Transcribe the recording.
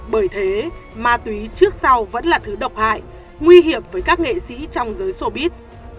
bởi thế ma túy trước sau vẫn là thứ độc hại nguy hiểm với các nghệ sĩ trong giới sobit